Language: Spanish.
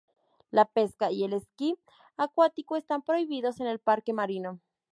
La pesca y el esquí acuático están prohibidos en el Parque Marino.